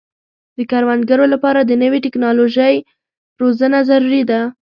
د کروندګرو لپاره د نوې ټکنالوژۍ روزنه ضروري ده.